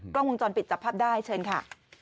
กล้องวงจรปิดจับภาพได้เชิญค่ะ